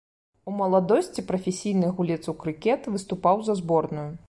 У маладосці прафесійны гулец у крыкет, выступаў за зборную.